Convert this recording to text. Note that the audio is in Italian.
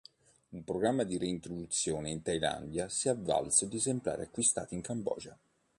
Un programma di reintroduzione in Thailandia si è avvalso di esemplari acquistati in Cambogia.